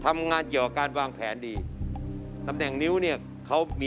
อันนี้ต้องพิสูจน์ดูครับผม